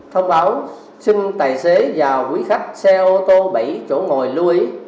thông báo xin tài xế và quý khách xe ô tô bảy chỗ ngồi lưu ý